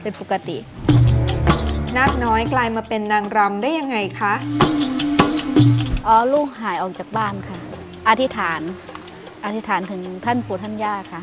อ๋อลูกหายออกจากบ้านค่ะอธิษฐานอธิษฐานถึงท่านผู้ท่านย่าค่ะ